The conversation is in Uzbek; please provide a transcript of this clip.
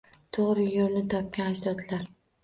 To’g’ri yo’lni topgan ajdodlar